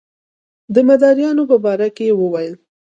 د مداریانو په باره کې یې ویل.